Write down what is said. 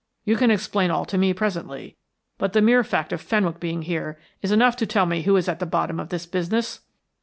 You can explain all to me presently, but the mere fact of Fenwick being here is enough to tell me who is at the bottom of this business."